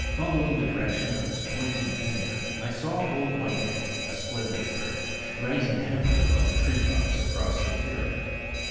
Following the direction of his pointing finger, I saw Old Whitehead, a splendid bird, rising heavily above the tree tops across the clearing.